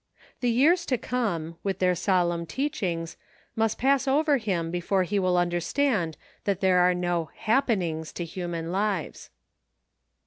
The years to come, with their solemn teachings, must pass over him before he will understand that there are no " happenings " to human lives.